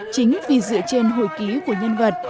chính vì dựa trên hồi ký của nhân vật